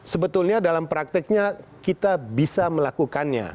sebetulnya dalam prakteknya kita bisa melakukannya